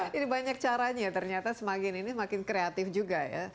jadi banyak caranya ternyata semakin ini makin kreatif juga ya